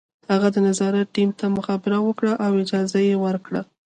هغه د نظارت ټیم ته مخابره وکړه او اجازه یې ورکړه